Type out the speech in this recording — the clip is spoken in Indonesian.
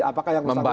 apakah yang bisa kita